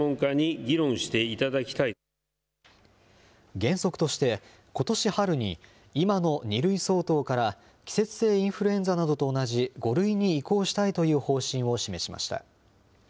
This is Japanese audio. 原則として、ことし春に今の２類相当から、季節性インフルエンザなどと同じ５類に移行したいという方針を示しました。